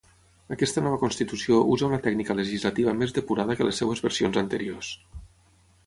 Aquesta nova Constitució usa una tècnica legislativa més depurada que les seves versions anteriors.